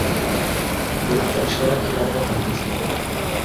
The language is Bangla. তিনি তার সেরা খেলা উপহার দিয়েছিলেন।